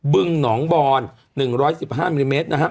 บึงหนองบอน๑๑๕มม